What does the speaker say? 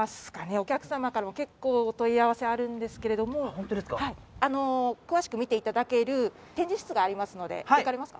お客様からも結構お問い合わせあるんですけれどもホントですか詳しく見ていただける展示室がありますので行かれますか？